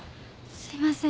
すいません。